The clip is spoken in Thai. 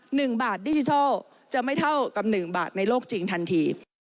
หนึ่งบาทดิจิทัลจะไม่เท่ากับหนึ่งบาทในโลกจริงทันที